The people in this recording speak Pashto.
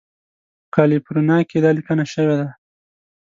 په کالیفورنیا کې دا لیکنه شوې ده.